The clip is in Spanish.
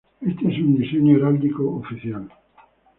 Este es un diseño heráldico oficial.